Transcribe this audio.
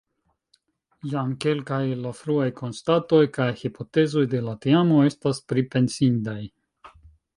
Jam kelkaj el la fruaj konstatoj kaj hipotezoj de la teamo estas pripensindaj.